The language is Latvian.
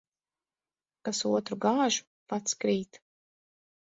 Kas otru gāž, pats krīt.